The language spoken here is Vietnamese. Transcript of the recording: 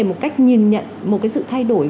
một cách nhìn nhận một cái sự thay đổi